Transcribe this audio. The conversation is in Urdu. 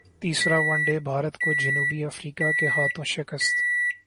تیسرا ون ڈے بھارت کو جنوبی افریقا کے ہاتھوں شکست